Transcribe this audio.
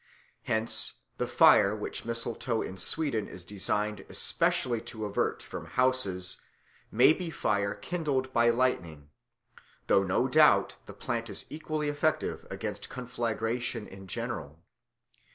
Hence the fire which mistletoe in Sweden is designed especially to avert from houses may be fire kindled by lightning; though no doubt the plant is equally effective against conflagration in general.